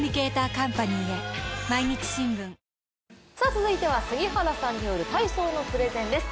続いては杉原さんによる体操のプレゼンです。